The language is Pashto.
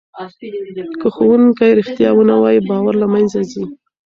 که ښوونکی رښتیا ونه وایي باور له منځه ځي.